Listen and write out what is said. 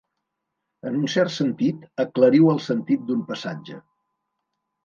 En un cert sentit, aclariu el sentit d'un passatge.